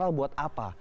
semua buat apa